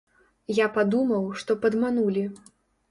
Я падумаў, што падманулі.